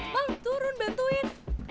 bang turun bantuin